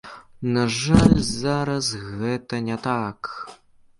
На жаль, зараз гэта не так.